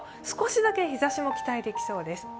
少しだけ日ざしも期待できそうです。